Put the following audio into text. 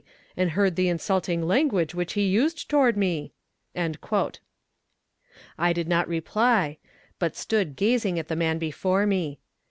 and heard the insulting language which he used toward me." I did not reply, but stood gazing at the man before me.